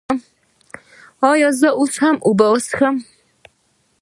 ایا زه اوس اوبه څښلی شم؟